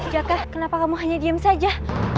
jaka kenapa kamu hanya diem saja